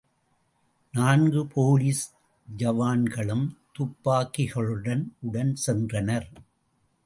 நான்கு போலீஸ் ஜவான்களும் துப்பாக்கிகளுடன் உடன் சென்றனர்.